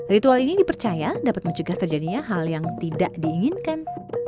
ritual ini dipercaya dapat mencegah terjadinya hal yang tidak diinginkan